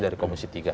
dari komisi tiga